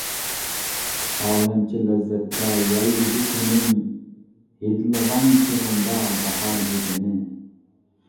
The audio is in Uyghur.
ئالەمچە لەززەتتە يايرىدى تېنىم، ھىدلىغان چېغىمدا باھار ھىدىنى.